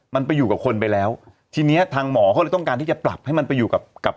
มันไปอยู่กับคนไปแล้วทีเนี้ยทางหมอเขาเลยต้องการที่จะปรับให้มันไปอยู่กับกับ